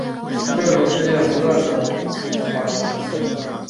这种事件不断地重覆发生。